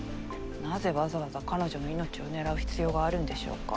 なぜわざわざ彼女の命を狙う必要があるんでしょうか？